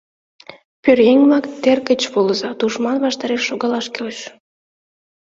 Пӧръеҥ-влак, тер гыч волыза, тушман ваштареш шогалаш кӱлеш...